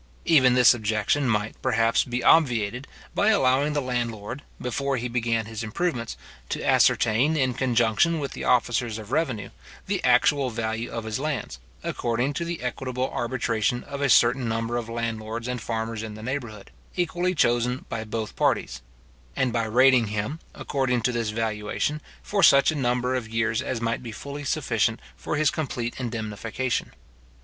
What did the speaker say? Even this objection might, perhaps, be obviated, by allowing the landlord, before he began his improvement, to ascertain, in conjunction with the officers of revenue, the actual value of his lands, according to the equitable arbitration of a certain number of landlords and farmers in the neighbourhood, equally chosen by both parties: and by rating him, according to this valuation, for such a number of years as might be fully sufficient for his complete indemnification.